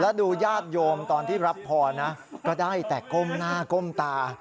แล้วดูญาติโยมตอนที่รับพรนะก็ได้แต่ก้มหน้าก้มตา